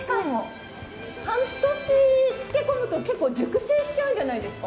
半年漬け込むと、熟成しちゃうんじゃないですか？